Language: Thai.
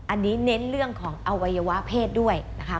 อันนี้เน้นเรื่องของอวัยวะเพศด้วยนะคะ